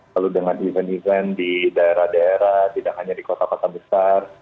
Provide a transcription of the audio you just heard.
lalu dengan event event di daerah daerah tidak hanya di kota kota besar